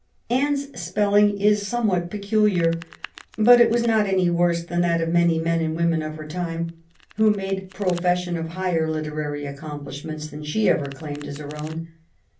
Anne's spelling is somewhat peculiar, but it was not any worse than that of many men and women of her time who made profession of higher literary accomplish ments than she ever claimed as her own.